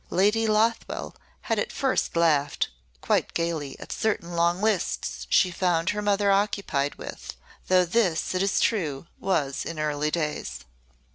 Lady Lothwell had at first laughed quite gaily at certain long lists she found her mother occupied with though this, it is true, was in early days.